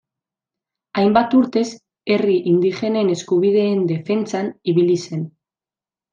Hainbat urtez herri indigenen eskubideen defentsan ibili zen.